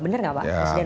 bener gak pak presiden